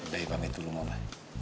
dari pame dulu mama